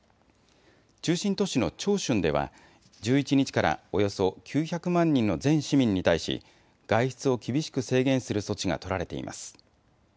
中心都市の長春では１１日からおよそ９００万人の全市民に対し外出を厳しく制限する措置が取られています。